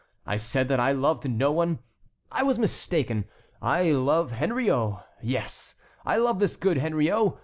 I said that I loved no one—I was mistaken, I love Henriot. Yes, I love this good Henriot.